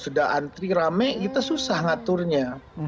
sudah antri rame kita susah ngaturnya